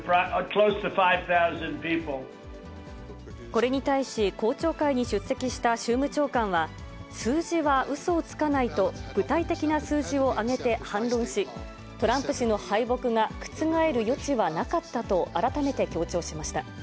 これに対し、公聴会に出席した州務長官は、数字はうそをつかないと、具体的な数字を挙げて反論し、トランプ氏の敗北が覆る余地はなかったと改めて強調しました。